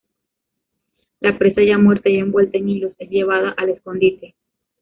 La presa ya muerta y envuelta en hilos es llevada al escondite.